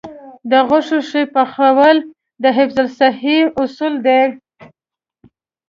د غوښې ښه پخول د حفظ الصحې اصول دي.